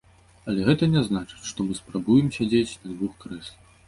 Але гэта не значыць, што мы спрабуем сядзець на двух крэслах.